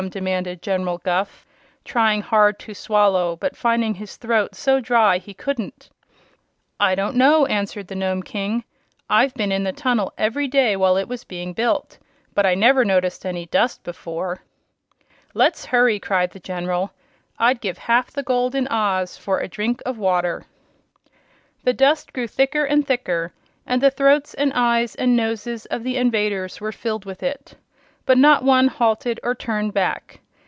demanded General Guph, trying hard to swallow but finding his throat so dry he couldn't. "I don't know," answered the Nome King. "I've been in the tunnel every day while it was being built, but I never noticed any dust before." "Let's hurry!" cried the General. "I'd give half the gold in Oz for a drink of water." The dust grew thicker and thicker, and the throats and eyes and noses of the invaders were filled with it. But not one halted or turned back.